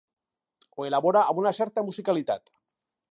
Ho elabora amb una certa musicalitat.